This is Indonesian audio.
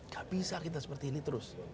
gak bisa kita seperti ini terus